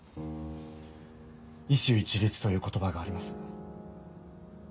医手一律という言葉があります。